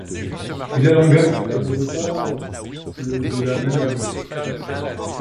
Villalonga quitta Bogotà le de la même année.